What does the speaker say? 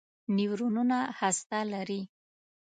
نیورونونه هسته لري.